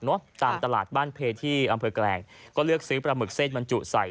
เนอะตามตลาดบ้านเพลย์ที่อำเภอแกแกแล็งก็เลือกซื้อปลาหมึกเส้นมันจุใส่